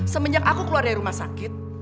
semenjak aku keluar dari rumah sakit